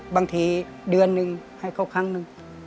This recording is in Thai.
บางทีเดือนหนึ่งให้เขาครั้งหนึ่ง